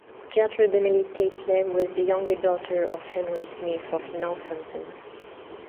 Gertrude Emily Keightley was the younger daughter of Henry Smith of Northampton.